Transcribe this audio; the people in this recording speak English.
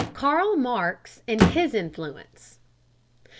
KARL MARX AND HIS INFLUENCE.